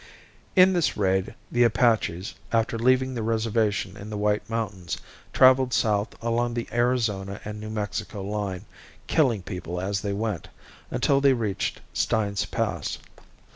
In this raid, the Apaches, after leaving their reservation in the White mountains, traveled south along the Arizona and New Mexico line, killing people as they went, until they reached Stein's Pass.